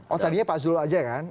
oh tadinya pak zul aja kan